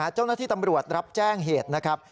เจ้าหน้าที่ตำรวจรับแจ้งเหตุนะครับ